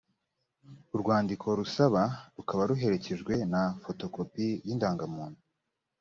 urwandiko rusaba rukaba ruherekejwe na fotokopi y’indangamuntu